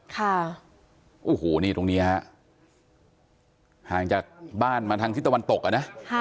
ค่ะโอ้โหนี่ตรงนี้ฮะห่างจากบ้านมาทางทิศตะวันตกอ่ะนะ